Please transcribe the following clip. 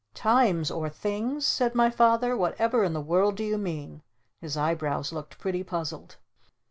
_" "Times or Things?" said my Father. "Whatever in the world do you mean?" His eyebrows looked pretty puzzled.